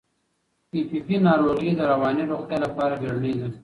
پي پي پي ناروغي د رواني روغتیا لپاره بیړنۍ ده.